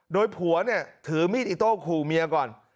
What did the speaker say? โดยผัวเนี่ยถือมีดอิโต้ขู่เมียก่อน